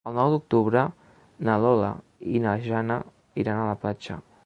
El nou d'octubre na Lola i na Jana iran a la platja.